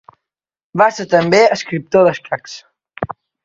Va ser també escriptor d'escacs.